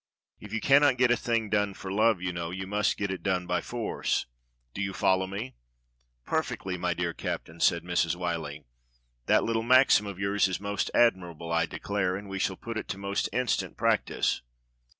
If you cannot get a thing done for love, you know, you must get it done by force. Do you follow me?" "Perfectly, my dear Captain," said Mrs. \Miyllie. "That little maxim of yours is most admirable, I de clare, and we shall put it to most instant practice."